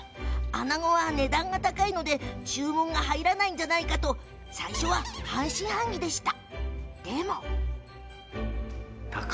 あなごは値段が高いので注文が入らないんじゃないかと最初は半信半疑でした。